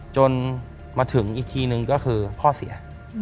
จนมาถึงอีกทีนึงก็คือพ่อเสีย